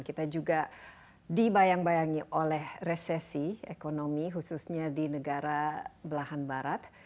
kita juga dibayang bayangi oleh resesi ekonomi khususnya di negara belahan barat